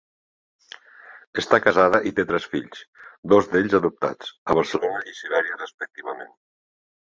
Està casada i té tres fills, dos d'ells adoptats, a Barcelona i Sibèria respectivament.